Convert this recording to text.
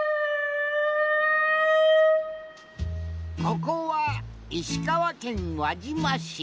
ここは石川県輪島市。